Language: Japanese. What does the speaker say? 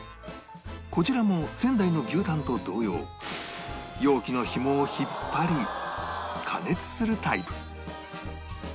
こちらも仙台の牛たんと同様容器のひもを引っ張り加熱するタイプ